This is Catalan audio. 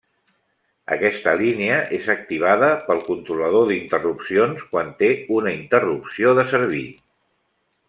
Aquesta línia és activada pel controlador d'interrupcions quan té una interrupció de servir.